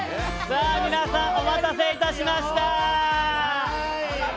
さあ皆さんお待たせいたしました。